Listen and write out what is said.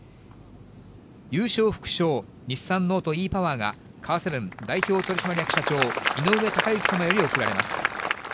優勝副賞、日産ノートｅパワーが、カーセブン代表取締役社長、いのうえたかゆき様より贈られます。